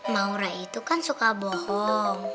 maura itu kan suka bohong